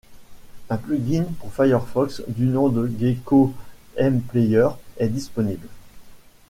Un plug-in pour firefox du nom de gecko-mplayer est disponible.